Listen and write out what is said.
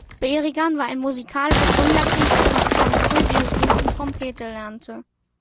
Berigan war ein musikalisches Wunderkind, das schon früh Violine und Trompete lernte.